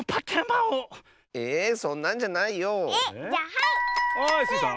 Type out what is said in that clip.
はいスイさん。